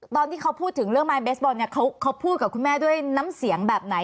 ตอนที่เขาพูดถึงเรื่องไม้เบสบอลเนี่ยเขาพูดกับคุณแม่ด้วยน้ำเสียงแบบไหน